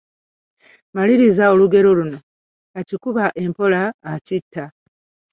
Maliriza olugero luno: Akikuba empola akitta...